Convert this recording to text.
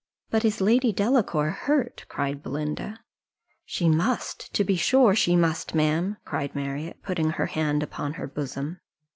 "But is Lady Delacour hurt?" cried Belinda. "She must, to be sure, she must, ma'am," cried Marriott, putting her hand upon her bosom.